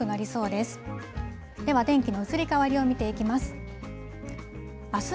では、天気の移り変わりを見ていきます。